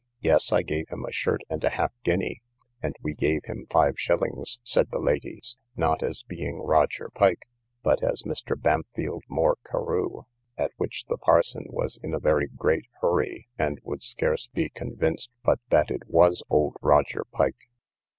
Yes, I gave him a shirt and a half guinea: and we gave him five shillings, said the ladies, not as being Roger Pike, but as Mr. Bampfylde Moore Carew; at which the parson was in a very great hurry, and would scarce be convinced but that it was old Roger Pike.